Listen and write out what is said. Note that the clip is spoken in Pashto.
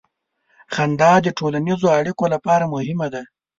• خندا د ټولنیزو اړیکو لپاره مهمه ده.